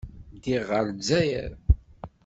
Ddiɣ ɣer Lezzayer.